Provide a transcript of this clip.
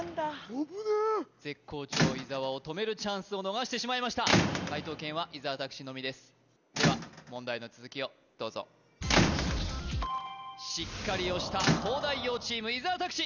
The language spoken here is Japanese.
危ねえ絶好調伊沢を止めるチャンスを逃してしまいました解答権は伊沢拓司のみですでは問題の続きをどうぞしっかり押した東大王チーム伊沢拓司